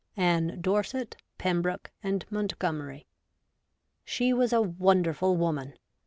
— Ann Dorset, Pembroke, and Montgomery.' She was a wonderful woman.